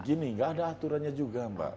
gini gak ada aturannya juga mbak